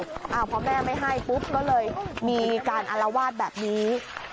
พอแม่ไม่ให้ปุ๊บก็เลยมีการอารวาสแบบนี้